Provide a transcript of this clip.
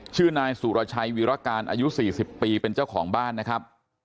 ชื่อนายสุรชัยวีรการอายุ๔๐ปีเป็นเจ้าของบ้านนะครับ